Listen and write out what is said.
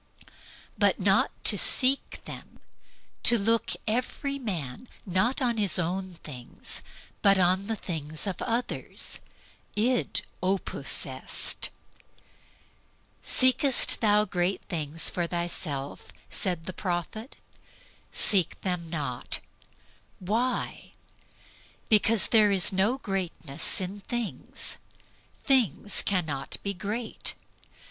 But not to seek them, to look every man not on his own things, but on the things of others that is the difficulty. "Seekest thou great things for thyself?" said the prophet; "seek them not." Why? Because there is no greatness in things. Things cannot be great.